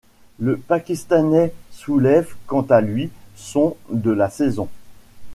Le Pakistanais soulève, quant à lui, son de la saison.